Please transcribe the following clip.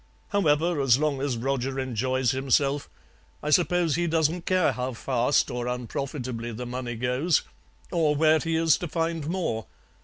However, as long as Roger enjoys himself, I suppose he doesn't care how fast or unprofitably the money goes, or where he is to find more.